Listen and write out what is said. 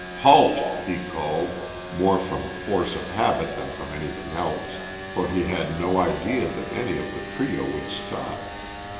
"Halt!" he called, more from force of habit than from anything else, for he had no idea that any of the trio would stop.